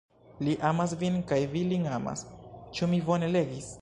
Li amas vin kaj vi lin amas! Ĉu mi bone legis?